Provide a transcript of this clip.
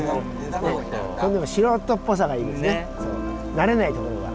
慣れないところが。